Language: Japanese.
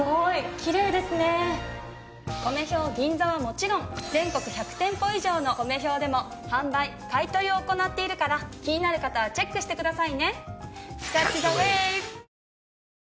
ＫＯＭＥＨＹＯＧＩＮＺＡはもちろん全国１００店舗以上のコメ兵でも販売買い取りを行っているから気になる方はチェックしてくださいね。